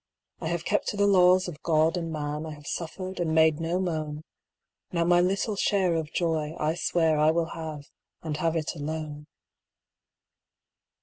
'I have kept to the laws of God and man, I have suffered and made no moan; Now my little share of joy, I swear I will have—and have it alone.